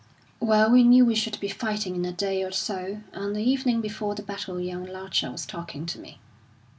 "Well, we knew we should be fighting in a day or so; and the evening before the battle young Larcher was talking to me.